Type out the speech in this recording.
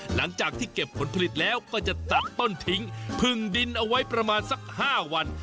หลังจากที่เก็บผลผลิตแล้วก็จะตัดต้นทิ้งพึงดินเอาไว้ประมาณสัก๕วัน